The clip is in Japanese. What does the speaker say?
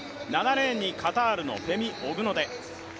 ７レーンにカタールの、フェミ・オグノデ。